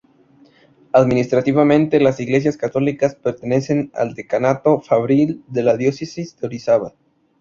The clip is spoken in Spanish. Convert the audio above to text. Administrativamente, las iglesias Católicas pertenecen al Decanato Fabril de la Diócesis de Orizaba.